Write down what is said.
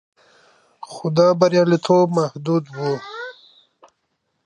خو دا بریالیتوب محدود و